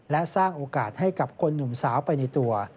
และสร้างโอกาสให้กับคนหนุ่มสาวไปในตัว